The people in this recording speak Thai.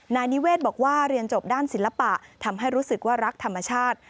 นายนิเวศบอกว่าเรียนจบด้านศิลปะทำให้รู้สึกว่ารักธรรมชาติ